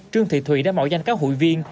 trương thị thùy đã mạo danh các hụi viên